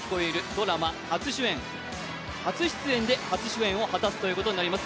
ドラマ初出演で初主演を果たすことになります。